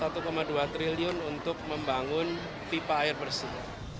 rp satu dua triliun untuk membangun pipa air bersih